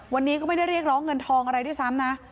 วันนี้ก็ไม่ได้เรียกร้องเงินทองอะไรด้วยซ้ำนะ